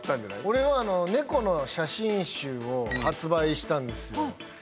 俺は猫の写真集を発売したんですよ